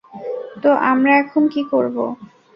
তো আমরা এখন কী করবো?